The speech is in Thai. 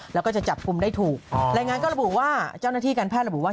แล้วก็จะจับกลุ่มได้ถูกรายงานก็ระบุว่าเจ้าหน้าที่การแพทย์ระบุว่า